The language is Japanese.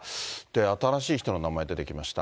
新しい人の名前、出てきました。